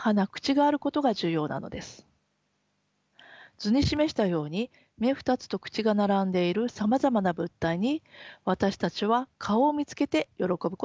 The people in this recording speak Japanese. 図に示したように目２つと口が並んでいるさまざまな物体に私たちは顔を見つけて喜ぶことができます。